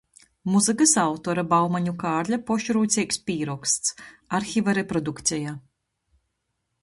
Muzykys autora Baumaņu Kārļa pošrūceigs pīroksts. Arhiva reprodukceja.